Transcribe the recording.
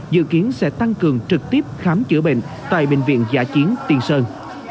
dự kiến sẽ tăng cường trực tiếp khám chữa bệnh tại bệnh viện giả chiến sơn